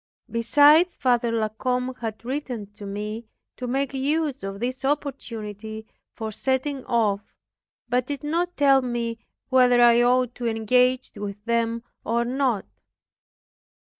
Besides, Father La Combe had written to me, to make use of this opportunity for setting off, but did not tell me whether I ought to engage with them or not.